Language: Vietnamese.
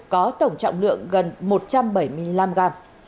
có tổng trọng lượng gần một trăm bảy mươi năm gram